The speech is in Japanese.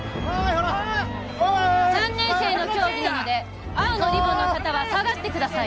ほら３年生の競技なので青のリボンの方は下がってください